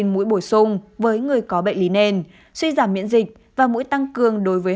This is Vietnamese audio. mũi bổ sung với người có bệnh lý nền suy giảm miễn dịch và mũi tăng cường đối với